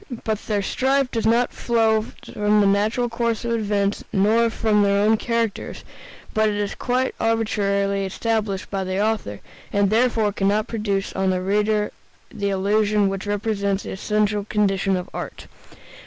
But their strife does not flow from the natural course of events nor from their own characters, but is quite arbitrarily established by the author, and therefore can not produce on the reader the illusion which represents the essential condition of art.